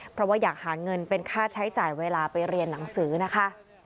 เพราะว่าอยากหาเงินเป็นค่าใช้จ่ายเวลาไปเรียนหนังสือนะคะ